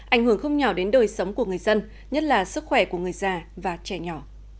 ảnh hưởng không nhỏ đến đời sống của người dân nhất là sức khỏe của người già và trẻ nhỏ